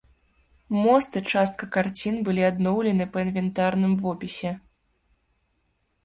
Мост і частка карцін былі адноўлены па інвентарным вопісе.